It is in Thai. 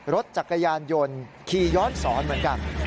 รถจักรยานยนต์ขี่ย้อนสอนเหมือนกัน